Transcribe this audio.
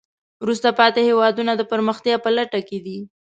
وروسته پاتې هېوادونه د پرمختیا په لټه کې دي.